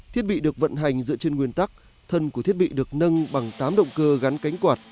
thiết bị được vận hành dựa trên nguyên tắc thân của thiết bị được nâng bằng tám động cơ gắn cánh quạt